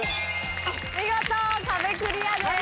見事壁クリアです。